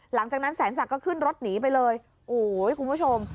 หลังจากนั้นแสนศักดิ์ก็ขึ้นรถหนีไปเลยโอ้โหคุณผู้ชม